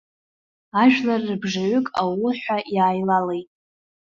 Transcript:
Ажәлар рыбжаҩык аууҳәа иааилалеит.